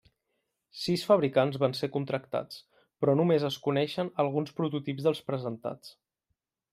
Sis fabricants van ser contractats però només es coneixen alguns prototips dels presentats.